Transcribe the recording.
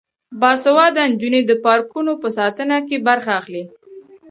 باسواده نجونې د پارکونو په ساتنه کې برخه اخلي.